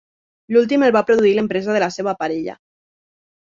L'últim el va produir l'empresa de la seva parella.